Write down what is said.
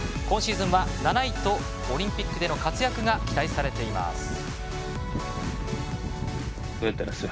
今シーズンは７位とオリンピックでの活躍が期待されています。